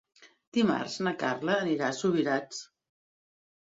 Dimarts na Carla anirà a Subirats.